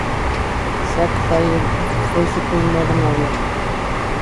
Zack Fair fue su primer novio.